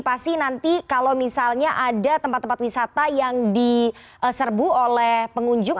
pasti nanti kalau misalnya ada tempat tempat wisata yang diserbu oleh pengunjung